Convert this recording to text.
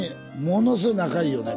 ものすごい仲良いよね。